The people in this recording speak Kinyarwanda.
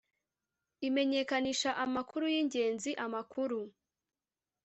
imenyekanisha amakuru y ingenzi amakuru